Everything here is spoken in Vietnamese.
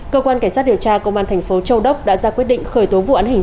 cơ quan cảnh sát điều tra công an thành phố châu đốc đã ra quyết định khởi tố vụ án hình sự buôn lậu